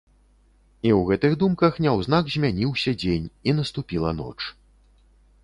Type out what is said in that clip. І ў гэтых думках няўзнак змяніўся дзень і наступіла ноч.